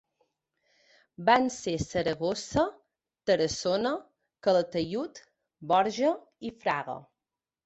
Van ser Saragossa, Tarassona, Calataiud, Borja i Fraga.